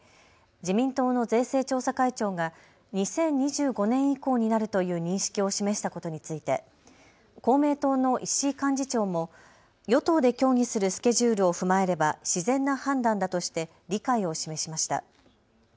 自民党の税制調査会長が２０２５年以降になるという認識を示したことについて公明党の石井幹事長も与党で協議するスケジュールを踏まえれば自然な判断だとして理解を示しました。